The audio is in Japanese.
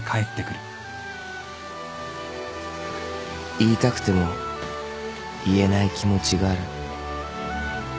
［言いたくても言えない気持ちがある］